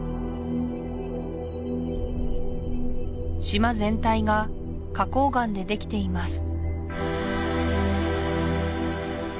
島全体が花崗岩でできています